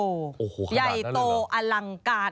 โอ้โฮขนาดนั้นเลยนะใหญ่โตอลังการ